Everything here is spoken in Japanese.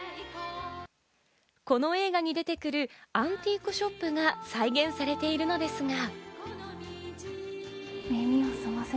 この映画に出てくるアンティークショップが再現されているのですが。